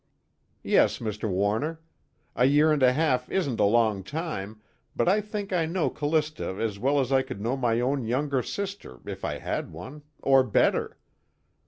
"Yes, Mr. Warner. A year and a half isn't a long time, but I think I know Callista as well as I could know my own younger sister if I had one, or better.